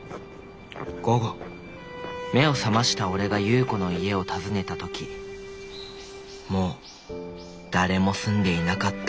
午後目を覚ましたおれが夕子の家を訪ねた時もう誰も住んでいなかった